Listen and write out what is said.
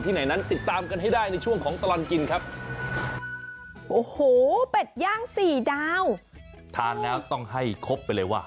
ที่ไหนนั้นติดตามกันให้ได้ในช่วงของตลันกินครับ